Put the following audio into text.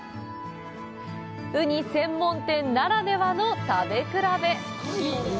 ウニ専門店ならではの食べ比べ。